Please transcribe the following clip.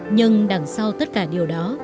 nhưng đằng sau tất cả điều đó